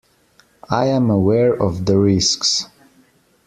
I am aware of the risks.